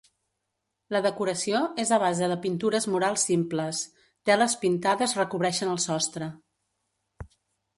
La decoració és a base de pintures murals simples, teles pintades recobreixen el sostre.